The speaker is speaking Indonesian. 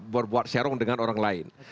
berbuat serung dengan orang lain